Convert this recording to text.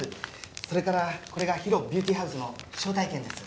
それからこれがＨＩＲＯビューティーハウスの招待券です。